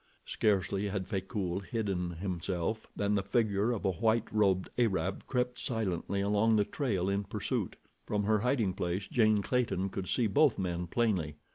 Scarcely had Frecoult hidden himself than the figure of a white robed Arab crept silently along the trail in pursuit. From her hiding place, Jane Clayton could see both men plainly.